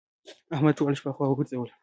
احمد ټوله شپه خوا وګرځوله.